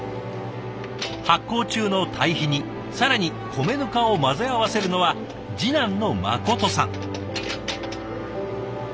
発酵中の堆肥に更に米ぬかを混ぜ合わせるのは次男の心さん。